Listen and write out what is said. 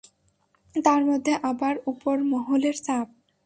তারমধ্যে আবার উপরমহলের চাপ।